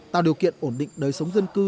tạo điều kiện ổn định đời sống dân cư